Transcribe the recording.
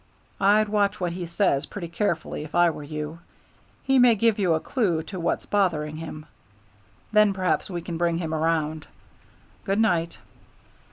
I'd watch what he says pretty carefully, if I were you. He may give you a clew to what's bothering him. Then perhaps we can bring him around. Good night."